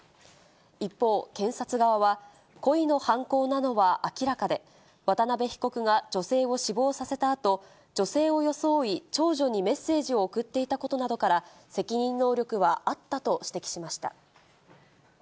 一方、検察側は、故意の犯行なのは明らかで、渡部被告が女性を死亡させたあと、女性を装い、長女にメッセージを送っていたことなどから、責任能力はあったと指摘しました。